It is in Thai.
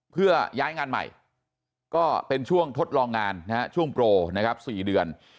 เพื่อย้ายงานใหม่ก็เป็นช่วงทดลองงานช่วงโปร๔เดือน